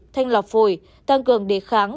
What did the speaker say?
thanh lọc phổi tăng cường địa kháng